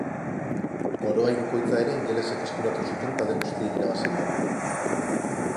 Koroa Hirukoitza ere ingelesek eskuratu zuten talde guztiei irabazi ondoren.